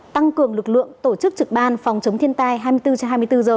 tăng cường lực lượng tổ chức trực ban phòng chống thiên tai hai mươi bốn trên hai mươi bốn giờ